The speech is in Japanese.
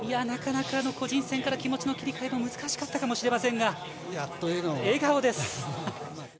なかなか個人戦から気持ちの切り替えが難しかったかもしれませんが笑顔です。